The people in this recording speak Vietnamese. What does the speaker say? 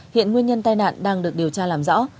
hiện nguyên nhân tai nạn đang được điều tra làm rõ